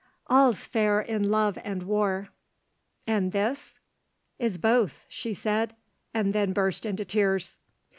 "All's fair in love and war." "And this ?" "Is both," she said, and then burst into tears.